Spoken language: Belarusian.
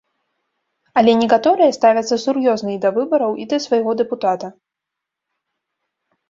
Але некаторыя ставяцца сур'ёзна і да выбараў, і да свайго дэпутата.